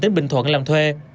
tỉnh bình thuận làm thuê